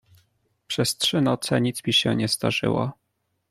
"Przez trzy noce nic mi się nie zdarzyło."